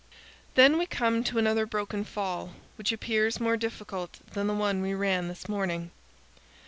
Then we come to another broken fall, which appears more difficult than the one we ran this morning.